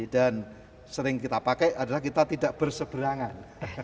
dan sering kita pakai adalah kita tidak berseberangan